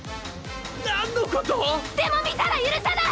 なんのこと⁉でも見たら許さない！